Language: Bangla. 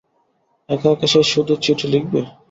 একা-একা সে শুধু চিঠি লিখবে?